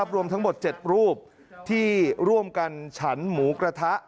รวมทั้งหมด๗รูปที่ร่วมกันฉันหมูกระทะ